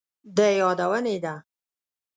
د يادونې ده،